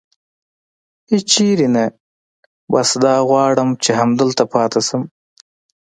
هېڅ چېرې نه، بس دا غواړم چې همدلته پاتې شم.